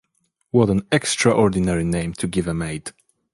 What an extraordinary name to give a maid!